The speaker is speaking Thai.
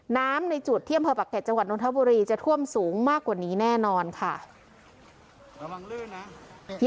น้ำในจุดเที่ยมพระปักเกตจังหวัดนทบุรีจะท่วมสูงมากกว่านี้แน่นอนค่ะระมังลื่นนะ